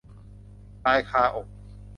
ตายคาอก